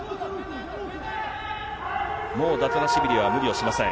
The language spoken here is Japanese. もうダトゥナシュビリは無理をしません。